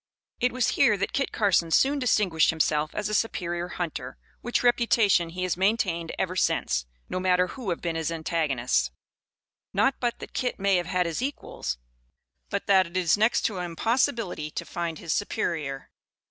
It was here that Kit Carson soon distinguished himself as a superior hunter, which reputation he has maintained ever since, no matter who have been his antagonists. Not but that Kit may have had his equals; but that it is next to an impossibility to find his superior.